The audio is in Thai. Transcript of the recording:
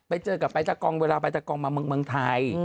ไปเจอกับปรายศักรองเวลาปรายศักรองมาเมืองไทย